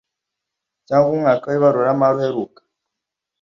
cyangwa umwaka w ibaruramari uheruka